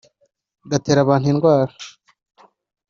gatera abantu indwara.